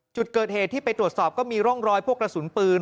จุดเกิดเหตุที่ไปตรวจสอบก็มีร่องรอยพวกกระสุนปืน